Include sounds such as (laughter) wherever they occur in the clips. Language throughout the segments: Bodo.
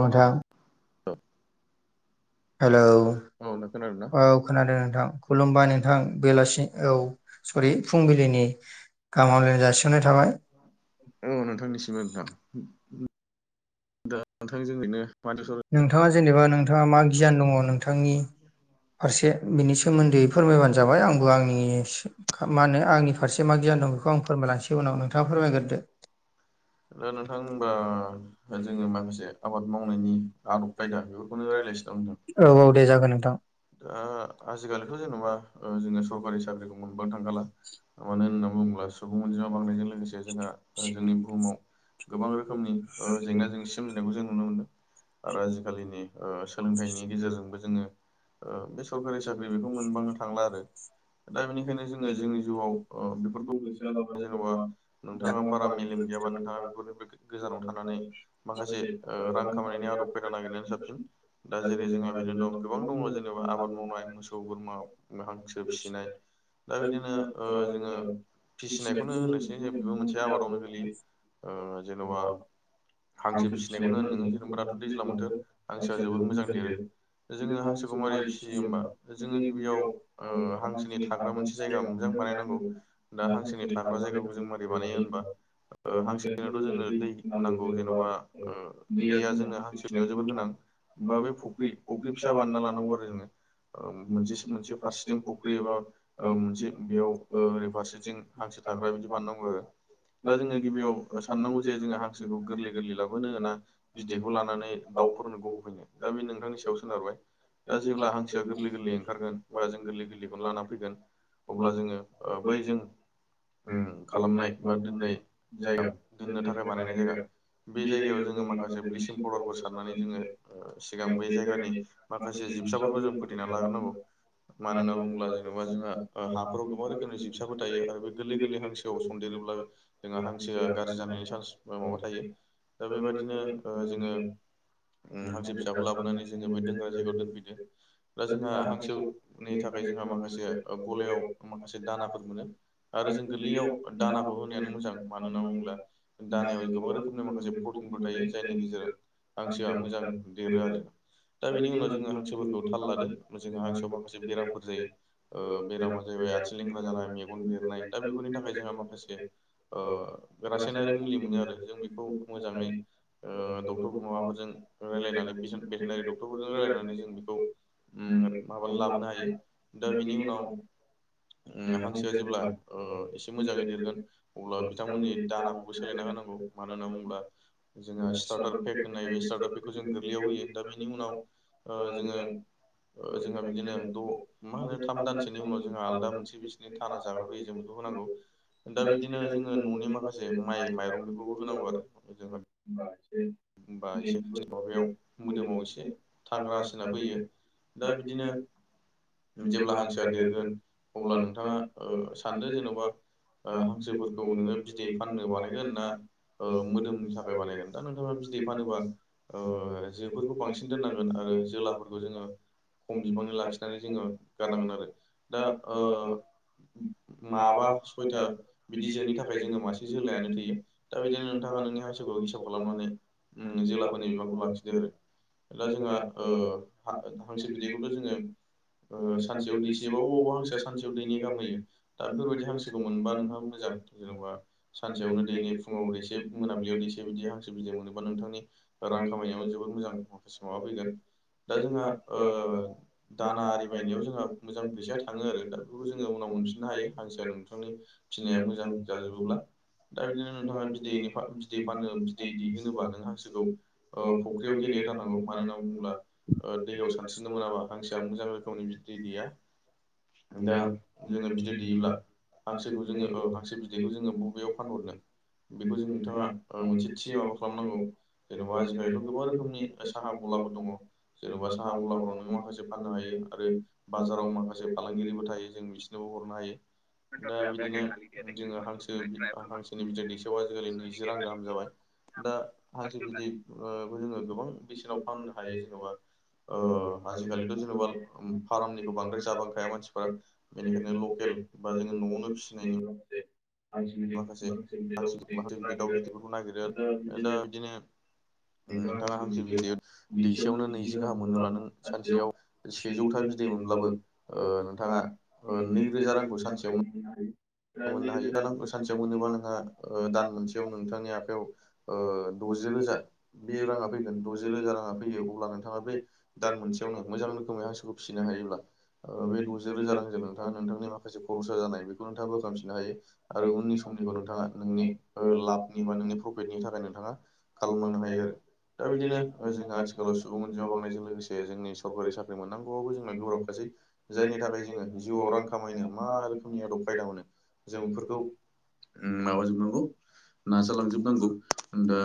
नोंथां ओ हेलौ (unintelligible) औ नों खोनादों ना औ खोनादों नोंथां खुलुमबाय नोंथां बेलासि औ सरि फुंबिलिनि गाहाम हामलायनाय जासि (inaudible) औ नोंथांनिसिमबो नोंथां दा नोंथां जोंनिनो माथो सावराय (unintelligible) नोंथाङा जेनेबा नोंथाङा मा गियान दङ नोंथांनि फारसे बिनि सोमोन्दै फोरमायबानो जाबाय आंबो आंनि मा होनो आंनि फारसे मा गियान दं। बेखौ आं फोरायलासै उनाव नोंथाङा फोरमायग्रोदो। दा नोंथां ओमबा जोङो माखासे आबाद मावनायनि आदब खायदाखौ (inaudible) औ औ दे जागोन नोंथां। ओ आजिखालिथ' जेनबा जोङो सरकारि साख्रिखौ मोनबोनो थांखाला मानो होनना बुङोब्ला सुबुं अनजिमा बांनायजों लोगोसे जोंहा जोंनि बुहुमाव गोबां रोखोमनि ओ जेंना जेंसि सोमजिनायखौ जों नुनो मोनदों। दा आरो आजिखालिनि बेबायदिनो (inaudible) ओ सोलोंथाइनि गेजेरजोंबो जोङो ओ बे सरखारि साख्रि बेखौ मोनबांनो थांला आरो। दा बेनिखायनो जोङो जोंनि जिउआव बेफोरखौ जेनबा नोंथाङा बारा मेलेम गैयाबा नों थाङा बेफोरनिफ्राय गोजानाव थानानै माखासे ओ रां खामायनायनि आदब खायदा नागिरनायानो साबसिन। दा जेरै जोङा बिदिनो दं गोबां दङ जेनेबा आबाद मावनाय मोसौ बोरमा हांसो फिसिनाय दा बिदिनो ओ जोङो फिसिनायखौनो होनोसै जे बेबो मोनसे आबादावनो गोलैयो ओ जेनबा हांसो फिसिनायखौनो होन नोङो जेनेबा दाथ' दैज्लां बोथोर हांसोआ जोबोर मोजां देरो। जों हांसोखौहाय मारै फिसियो होनबा जों गिबियाव ओ हांसोनि थाग्रा मोनसे जायगा मोनदों होननानै (inaudible) बा हांसोनि थाग्रा जायगाखौ बोरै बानायो होनबा ओ हांसोनायावथ' जोंङो दै नांगौ जेनबा ओ दैया जोङो हांसो फिसिनायाव जोबोर गोनां बा बे फुख्रि फुख्रि फिसा बानना लानांगौ आरो जोङो मोनसे मोनसे फारसेथिं फुख्रि एबा मोनसे बेयाव ओरै फारसेथिं हांसो थाग्रा बिदि बानायनांगौ दा जोङो गिबियाव साननांगौ जे जोङो हांसोखौ गोरलै गोरलै लाबोनो ना बिदैखौ लानानै दाउफोरनोखौ होफैनो दा बे नोंथांनि सायाव सोनारबाय दा जेब्ला हांसोया गोरलै गोरलै ओंखारगोन बा जों गोरलै गोरलैखौनो लाना फैगोन अब्ला जोङो बै जों खालामनाय बा दोननाय जायगा दोननो थाखाय बानायनाय जायगा बे जायगायाव जोङो माखासे ब्लिसिं पाउदारखौ सारनानै जोङो सिगां बे जायगानि माखासे जिबसाफोरखौ जों फोथैनानै लाग्रोनांगौ मानो होनना बुङोब्ला जेनेबा जोंहा हाफोराव गोबां रोखोमनि जिबसाफोर थायो आरो बे गोरलै गोरलै हांसोआव सनन्देरोब्ला जोंहा हांसोआ गाज्रि जानायनि चान्स माबा थायो दा बेबायदिनो जोङो (inaudible) हांसो फिसाखौ लाबोनानै जोङो बे दोनग्रा जायगायाव दोनफैदो दा जोंहा हांसोनि थाखाय जोंहा माखासे गलायाव माखासे दानाफोर मोनो आरो जों गोरलैयाव दानाखौ होनायानो मोजां मानो होनना बुङोब्ला दानायाव गोबां रोखोमनि माखासे प्रटिनफोर थायो जायनि गेजेराव हांसोआ मोजां देरो आरो दा बेनि उनाव जोङो हांसोफोरखौ थाल लादों जोंहा हांसोआव माखासे बेरामफोर जायो ओ बेरामा जाहैबाय आथिं लेंग्रा जानाय मेगन बेरनाय दा बेफोरनि थाखाय जोंहा माखासे रासायनारि मुलि मोनो आरो जों बेखौ मोजाङै डक्टरफोर माबाफोरजों रायलायनानै भेटेनारि डक्टरफोरजों रायलायनानै जों बेखौ माबानानै लाबोनो हायो दा बेनि उनाव हांसोआ जेब्ला एसे मोजाङै देरगोन अब्ला बिथांमोननि दानाखौबो सोलायना होनांगौ मानो होनना बुङोब्ला जोंहा स्टार्टार पेक होननाय बे स्टार्टार बेखौ जों गोरलैयाव होयो दा बेनि उनाव जोङो ओ जोंहा बिदिनो द' मा होनो थाम दानसोनि उनाव जोंहा आलदा मोनसे बिसोरनि खाना जाग्रा फैयो जों बेखौ होनांगौ दा बिदिनो जोङो न'नि माखासे माइ माइरं बेफोरखौबो होनांगौ आरो जोंहा (unintelligible) होनबा एसे माबायाव मोदोमाव एसे थाग्रा सिना फैयो दा बिदिनो जेब्ला हांसोआ देरगोन अब्ला नोंथाङा ओ सानदो जेनबा ओ हांसोफोरखौ नोङो बिदै फाननो बानायगोन ना ओ मोदोमनि थाखाय बानायगोन दा नोंथाङा बिदै फानोबा ओ जोफोरखौ बांसिन दोननांगोन आरो जोलाफोरखौ जोङो खम बिबाङै लाखिनानै जोङो गारनांगोन आरो दा ओ माबा सयथा बिदि जोंनि थाखाय जोंनो मासे जोलायानो थैयो दा बिदिनो नोंथाङा नोंनि हांसोखौ हिसाब खालामनानै जोलाफोरनि बिबांखौ लाखिदो आरो दा जोंहा ओ हा हांसो बिदैखौथ' जोङो ओ सानसेयाव दैसे अबावबा हांसोआ सानसेयाव दैनै गाहाम हैयो दा बेफोरबायदि हांसोखौ मोनबा नोंहा मोजां जेन'बा सानसेयावनो दैनै फुङा दैसे मोनाबिलियाव दैसे बिदि हांसो बिदै मोनो बा नोंथांनि रां खामानियानो जोबोद मोजां अफिस माबा फैगोन दा जोंहा ओ दाना आरि बायनायाव जोंहा मोजां फैसाया थाङो आरो दा बेफोरखौ जोङो उनाव मोनफिननो हायो हांसोआव नोंथांनि फिसिनाया मोजां जाजोबोब्ला दा बिदिनो नोंथाङा बिदैनि बिदै फानो बिदै‌ दै होनोबा नों हांसोखौ फुख्रियाव गेलेहथारनांगौ मानो होनना बुङोब्ला दैयाव सानस्रिनो मोनाबा हांसोआ मोजां रोखोमनि बिदै दैया दा जोङो बिदै दैयोब्ला हांसोखौ जोङो औ हांसो बिदैखौ जोङो बबेयाव फानहरनो बेखौ जों नोंथाङा मोनसे थि माबा खालामनांगौ जेनेबा आजिखालिथ' गोबां रोखोमनि साहा गलाफोर दङ जेनेबा साहा गलाफोराव नों माखासे फाननो हायो आरो बाजाराव माखासे फालांगिरिबो थायो जों बिसोनोबो हरनो हायो दा बिदिनो जोङो हांसो हांसोनि बिदै दैसेयावा आजिखालि नैजि रां गाहाम जाबाय दा हांसो बिदै जोङो गोबां बेसेनाव फाननो हायो जेन'बा आजिखालिथ' जेनेबा फार्मनिखौ बांद्राय जाबांखाया मानसिफोरा बेनिखायनो लकेल बा जोङो न'आवनो फिसिनायनि माखासे हांसो मां बिदै दाउ बिदैरफोरखौ नागिरो दा बिदिनो नोंथाङा हांसो बिदै दैसेयावनो नैजि गाहाम मोनोब्ला नों सानसेयाव सेजौथा बिदै मोनब्लाबो नोंथाङा नैरोजा रांखौ सानसेयावनो मोननो हायो सानसेयाव मोनोबा नोंहा दान मोनसेयाव नोंथांनि आखायाव द'जि रोजा बे राङा फैगोन द'जि रोजा राङा फैयो अब्ला नोंथाङा बे दान मोनसेयावनो मोजां रोखोमै हांसोखौ फिसिनो हायोब्ला बे द'जि रोजा रांजों नोंथाङा नोंथांनि माखासे खरसा जानाय बेखौ नोंथाङाबो खालामिनो हायो आरो उननि समनिखौ नोंथाङा नोंनि लाबनि बा नोंनि प्रफि दनि थाखाय नोंथाङा खालामलांनो हायो आरो दा बिदिनो जोंहा आथिखालाव सुबुं अनजा बांनायजों लोगोसे जों जोंनि सरकारि साख्रि मोननांगौआबो जोङो गोब्रबखासै जायनि थाखाय जोङो जिउआव रां खामायनो मा रोखोमनि आदब खायदा मोनो जों बेफोरखौ माबाजोबनांगौ नाजालांजोब नांगौ दा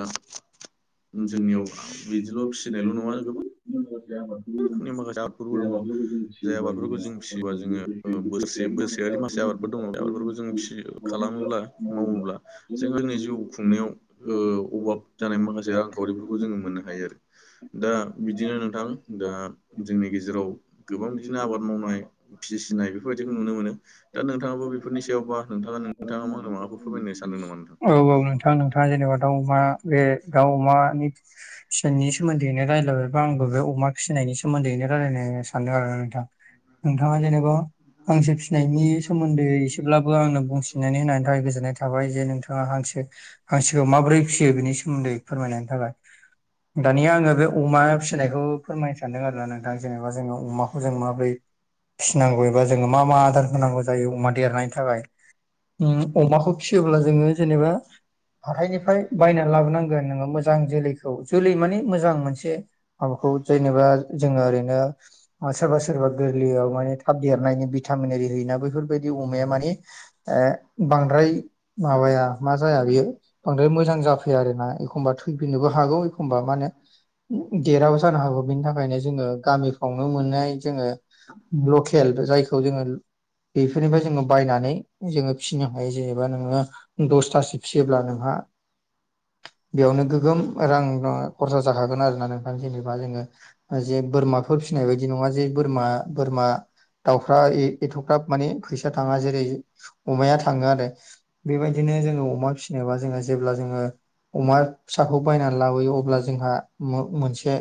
जोंनियाव बिदिल' फिसिनायल' नङा गोबां (inaudible) माखासे आबादफोरबो दङ जाय आबादफोरखौ जों फिसियोबा जोङो बोसे बोसोरारि मासे आबाद फोर दङ द बे बेफोरखौ जों फिसियो खालामोब्ला मावोब्ला जों जोंनि जिउ खुंनायाव अभाब जानाय माखासे रांखावरिफोरखौ जोङो मोननो हायो आरो दा बिदिनो नोंथां दा जोंनि गेजेराव गोबां बिदिनो आबाद मावनाय फिसिनाय बेफोरबायदिखौ नुनो मोनो दा नोंथाङाबो बेफोरनि सायावबा नोंथाङा नोंथाङा मावनो माबाखौ फोरमायनो सानदों नामा औ औ नोंथां नोंथाङा जेनेबा दाउ अमा बे दाउ अमानि फनि सोमोन्दैनो रायलायबायबा आंबो बे अमा फिसिनायनि सोमोन्दैनो रायलायनो सानदों आरो नोंथां नोंथाङा जेनेबा फांसो फिनायनि सोमोन्दै एसेब्लाबो आंनो बुंसिनानै होननि थाखाय गोजोननाय थाबाय जे नोंथां बिथाङा हांसो हांसोखौ माबोरै फिसियो बेनि सोमोन्दै फोरमायनायनि थाखाय दानिया आङो बे अमा फिसिनायखौ फोरमायनो सानदों आरो ना नोंथां जेनेबा जोङो अमाखौ जों माबोरै फिसिनांगौबा जोङो मा मा आदार होनांगौ जायो अमा देरनायनि थाखाय अमाखौ फिसियोब्ला जोङो जेनेबा आहाइनिफ्राय बायना लाबोनांगोन नोङो मोजां जोलैखौ जोलै माने मोजां मोनसे माबाखौ जेनेबा जोङो ओरैनो सोरबा सोरबा गोरलैयाव माने थाब देरनायनि भिटामिनि होयोना बैफोरबायदि अमाया माने बांद्राय माबाया मा जाया बेयो बांद्राय मोजां जाफैयो आरोोना एखमबा थैफिननोबो हागौ एखमबा मा होनो देराबो जानो हागौ बेनि थाखायनो जोङो गामिफ्रावनो मोननाय जोङो लकेल जायखौ जोङो बेफोरनिफ्राय जोङो बायनानै जोङो फिसिनो हायो जेनेबा नोङो दसथासो फिसियोब्ला नोंहा बेयावनो गोगोम रां खरसा जाखागोन आरोना नोंथां जेनेबा जोङो जे बोरमाफोर फिसिनाय बायदि नङा जे बोरमा बोरमा दाउफ्रा एथ'ख्राब माने फैसा थाङा जेरै अमाया थाङो आरो बेबायदिनो जोङो अमा फिसिनाय बा जों जोङा जेब्ला जोङो अमा फिसाखौ बायनानै लाबोयो अब्ला जोंहा मोनसे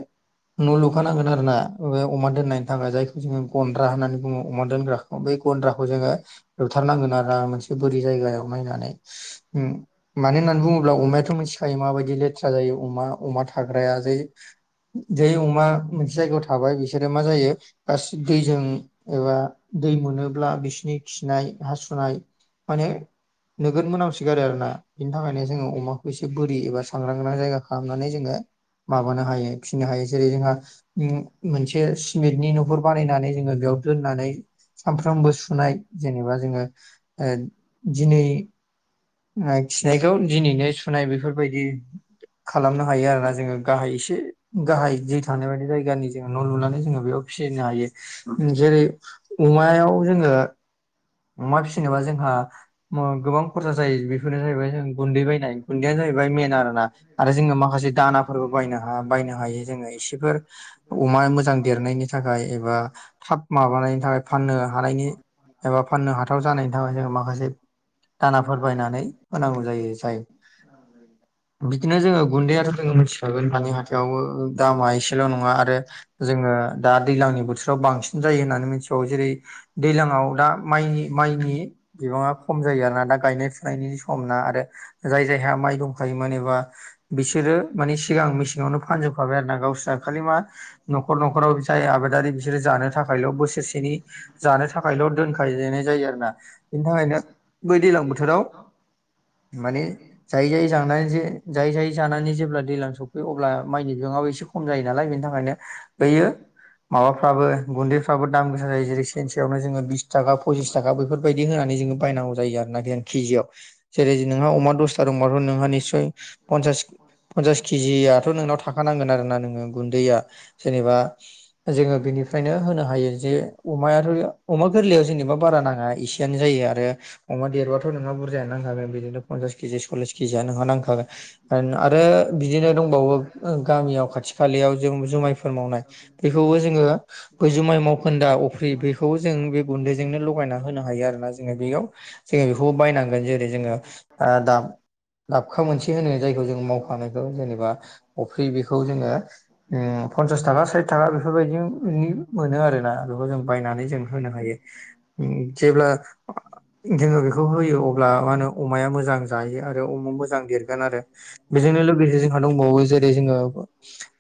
न' लुखानांगोन आरो ना बे अमा दोननायनि थाखाय जायखौ जोङो गन्द्रा होननानै बुङो अमा दोनग्राखौ बै गन्द्राखौ जोङो लुथारनांगोन आरो आ मोनसे बोरि जायगायाव नायनानै मानो होननानै बुङोब्ला अमायाथ' मिथिखायो माबायदि लेथ्रा जायो अमा अमा थाग्राय जै जै अमा मोनसे जायगायाव थाबाय बिसोरो मा जायो गासिबो दैजों एबा दै मोनोब्ला बिसिनि खिनाय हासुनाय माने नोगोर मोनामसोगारो आरो ना बिनि थाखायनो जोङो अमाखौ एसे बोरि एबा सांग्रां ग्रां जायगा खालामनानै जोङो माबानो हायो फिनो हायो जेरै जोंहा मोनसे सिमेन्टनि न'फोर बानायनानै जोङो बेयाव दोननानै सानफ्रामबो सुनाय जेनेबा जोङो दिनै खिनायखौ दिनैनो सुनाय बेफोरबायदि खालामनो हायो आरोना जोङो गाहाय एसे गाहाय जि थानाय बायदि जायगानि जोङो न' लुनानै जोङो बेयाव फिनो हायो जेरै अमायाव जोङो अमा फि जेनेबा जोंहा माव गोबां खहा जायो बेफोरनो जाहैबाय गुन्दै बायनाय गुन्दैया जाहैबाय मेन आरो ना आरो जोङो माखासे दानाफोरबो बायनो बायनो हायो जोङो एसे बेफोर अमा मोजां देरनायनि थाखाय एबा थाब माबानायनि थाखाय फाननो हानायनि एबा फाननो हाथाव जानायनि थाखाय जोङो माखासे दानाफोर बायनानै होनांगौ जायो जाय (inaudible) बिदिनो जोङो गुन्दैयाथ' जोङो मिथिखागोन दानि हाथायावबो दामा एसेल' नङा आरो जोङो दा दैज्लांनि बोथोराव बांसिन जायो होननानै मिथिबावो जेरै दैज्लांआव दा माइनि माइनि बिबाङा खम जायो आरोना दा गायनाय फुनायनि समना आरो जाय जायहा माइ दंखायोमोन एबा बिसोरो मानि सिगां मेसेङावनो फानजोबखाबाय आरो ना गावस्रा खालि मा न'खर न'खराव जाय आबादारि बिसोरो जानो थाखायल' बोसोरसेनि जानो थाखायल' दोनखायनाय जायो आरो ना बिनि थाखायनो बै दैज्लां बोथोराव माने जायै जायै जानानै जे जायै जायै जानानै जेब्ला दैज्लां सफैयो अब्ला माइनि बिबाङा बो एसे खम जायो नालाय बेनि थाखायनो बैयो माबाफ्राबो गुनदैफ्रा फ्राबो दाम गोसा जायो जेरै सेरसेयावनो जोङो बिस थाखा पसिस थाखा बेफोरबायदि होनानै जोङो बायनांगौ जायो आरोना जोङो खिजियाव जेरै नोंहा अमा दसथा दंबाथ' नोंहा निस्य पनसास पनसास केजियाथ' नोंनाव थाखा खानांगोन आरो ना नोङो गुन्दैया जेनेबा जोङो बिनिफ्रायनो होनो हायो जे अमायाथ' अमा गोरलैयाव जेनेबा बारा नाङा एसेयानो जायो आरो अमा देरबाथ' नोंहा बुरजायानो नांखागोन बिदिनो पनसास केजि खिजियानो नोंहा नांखागोन आरो बिदिनो दंबावो गामियाव खाथि खालायाव जों जुमायफोर मावनाय बेखौबो जोङो बै जुमाय मावखोन्दा अफ्रि बे खौ जों बे गुन्दैजोंनो लगायना होनो हायो आरोना जोङो बेयाव जोङो बेखौ बायनांगोन जेरै जोङो दाब दाबखा मोनसे होनो जायखौ जों मावखांनायखौ जेनेबा अफ्रि बेखौ जोङो पनसास थाखा साइथ थाखा बेफोरबायदिनि मोनो आरोना बेखौ जों बायनानै जों होनो हायो जेब्ला जोङो जेब्ला नों बेखौ होयो अब्ला मा होनो अमाया मोजां जायो आरो अमा मोजां देरगोन आरो बेजोंनो लोगोसे जोंहा दंबावो जेरै जोङो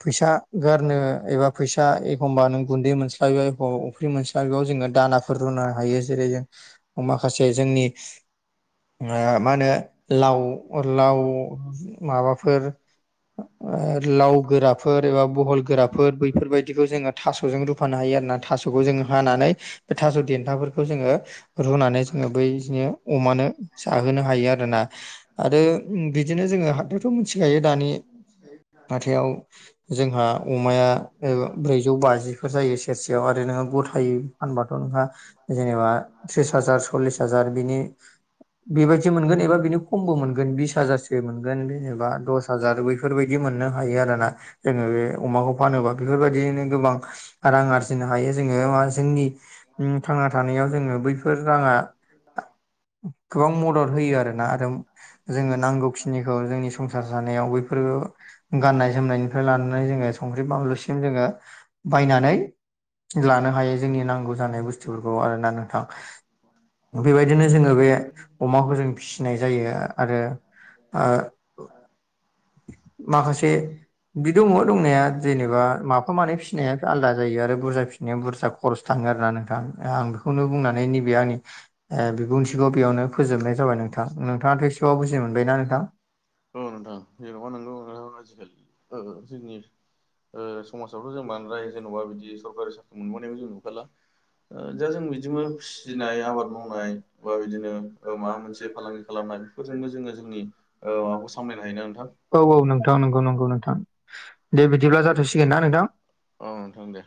फैसा गारनो एबा फैसा एखमबा नों गुन्दै मोनस्लाबियाव अफ्रि मोनस्लाबियाव जोङो दानाफोर रुनो हायो जेरै जों माखासे जोंनि ओ मा होनो लाव लाव माबाफोर लाव गोराफोर एबा बहल गोराफोर बैफोरबायदिखौ जोङो थास'जों रुफानो हायो आरो ना थास'खौ जों हानानै बे थास' देन्थाफोरखौ जोङो रुनानै ज जोङो बैदिनो अमानो जाहोनो हायो आरोना आरो बिदिनो जोङो हाथायावथ' मिथिखायो दानि (unintelligible) हाथायाव जोंहा अमाया ब्रैजौ बाजिफोर जायो सेरसेयाव आरो नोङो गथाय फानबाथ' नोंहा जेनेबा त्रिस हाजार सललिस हाजार बिनि बेबादि मोनगोन एबा बेनि खमबो मोनगोन बिस हाजारसे जेनेबा दस हाजार बेैफोरबायदि मोननो हायो आरोना जोङो बे अमाखौ फानोबा बेफोरबायदियैनो गोबां रां आरजिनो हायो जोङो जोंनि थांना थानायाव जोङो बैफोर राङा (inaudible) गोबां मदद होयो आरोना आरो जोङो नांगौखिनिखौ जोंनि संसार जानायाव बफोर बे फोर गाननाय जोमनायनिफ्राय लानानै जोङो संख्रि बानलुसिम जोङो बायनानै लानो हायो जोंनि नांगौ जानाय बुस्थुफोरखौ आरोना नोंथां बेबायदिनो जोङो बे अमाखौ जों फिसिनाय जायो आरो माखासे बि दङ दंनाया जेनेबा मा मानै फिसिनाया आलदा जायो आरो बुरजा फिसि नाया बुरजा खरस थाङो आरोना नोंथां आं बेखौनो बुंनानै नैबे आंनि बिबुंथिखौ बेयावनो फोजोबनाय जाबाय नोंथां नोंथाङाथ' एसेबाव बुजि मोनबायना नोंथां जनांगौ आजिखालि ओ - ओ जोंनि समाजावथ' जों बांद्राय जेन'बा बिदि सरकारि साख्रि मोनबोनायखौ जों नुखाला दा जों बिदिनो फिसिनाय आबाद मावनाय बा बिदिनो माबा मोनसे फालांगि खालामनाय बो जो जोंनि ओ माबाखौ सामलायनाय औ-औ नोंथां नंगौ नंगौ नोंथां दे बिदिब्ला जाथ'सिगोन ना नोंथां? औ नोंथां दे